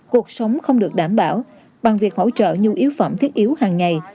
cuộc sống không được đảm bảo bằng việc hỗ trợ nhu yếu phẩm thiết yếu hàng ngày